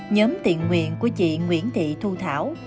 nhóm tiện nguyện của chị nguyễn thị thu thảo